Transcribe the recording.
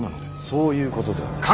そういうことではない。